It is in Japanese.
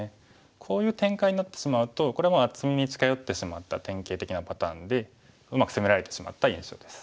こういう展開になってしまうとこれは厚みに近寄ってしまった典型的なパターンでうまく攻められてしまった印象です。